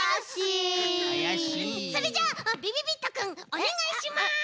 それじゃあびびびっとくんおねがいします！